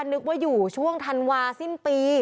นึกว่าอยู่ช่วงธันวาสิ้นปี